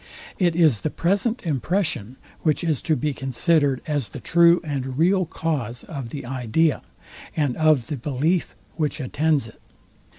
It is the present impression, which is to be considered as the true and real cause of the idea, and of the belief which attends it.